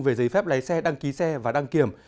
về giấy phép lái xe đăng ký xe và đăng kiểm